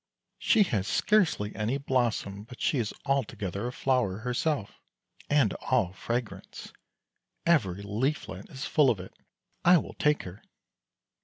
" She has scarcely any blossom, but she is altogether a flower herself, and all fragrance — every leaflet is full of it. I will take her."